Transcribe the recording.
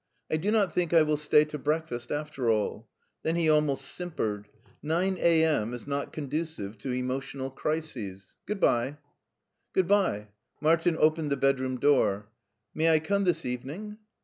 " I do not think I will stay to breakfast after all" Then he almost simpered, " Nine a.m. is not conducive to emotional crises. Good by/* " Good by.'V Martin opened the bedroom door, " May I come this evening?